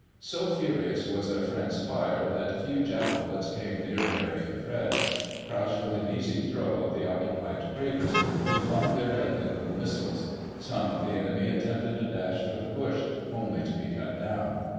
So furious was their friends' fire that few Jap bullets came near Barry and Fred. Crouched within easy throw of the occupied craters, they flung their deadly little missiles. Some of the enemy attempted a dash for the bush, only to be cut down.